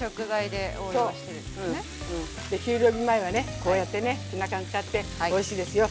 で給料日前はねこうやってねツナ缶使っておいしいですよ。